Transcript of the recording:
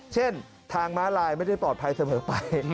เช่นทางม้าลายไม่ได้ปลอดภัยเสมอไป